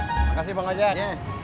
makasih bang ajak